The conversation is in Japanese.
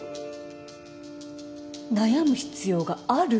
悩む必要がある？